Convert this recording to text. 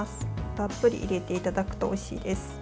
たっぷり入れていただくとおいしいです。